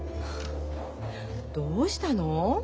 どうしたの？